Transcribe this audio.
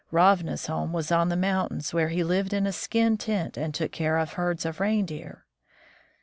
Ravna's home was on the mountains, where he lived in a skin tent and took care of herds of reindeer.